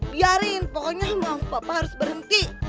biarin pokoknya mama papa harus berhenti